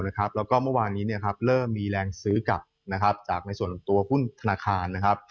แล้วก็เมื่อวานนี้เริ่มมีแรงซื้อกลับจากในส่วนตัวหุ้นธนาคารนะครับ